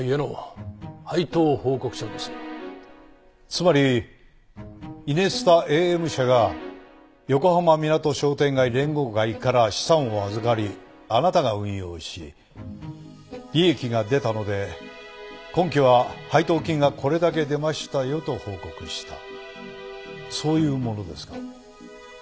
つまりイネスタＡＭ社が横浜みなと商店街連合会から資産を預かりあなたが運用し利益が出たので今期は配当金がこれだけ出ましたよと報告したそういうものですか？